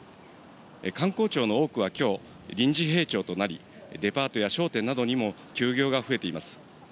官公庁の多くはきょう、臨時閉庁となり、デパートや商店などにも休業が増えています。